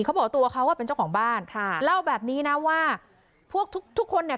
เขาบอกตัวเขาอ่ะเป็นเจ้าของบ้านค่ะเล่าแบบนี้นะว่าพวกทุกทุกคนเนี่ย